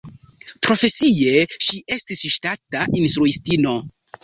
Profesie, ŝi estis ŝtata instruistino.